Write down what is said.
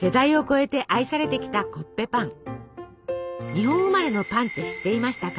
日本生まれのパンって知っていましたか？